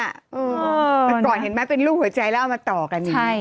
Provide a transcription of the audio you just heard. แต่ก่อนเห็นไหมเป็นรูปหัวใจแล้วเอามาต่อกันอีก